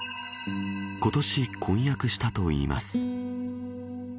今年、婚約したといいます。